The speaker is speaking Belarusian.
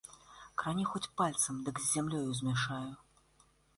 Крані хоць пальцам, дык з зямлёю змяшаю!!